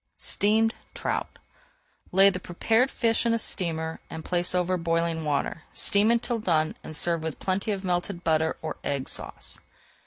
STEAMED TROUT Lay the prepared fish in a steamer and place over boiling water, steam until done and serve with plenty of melted butter or Egg Sauce.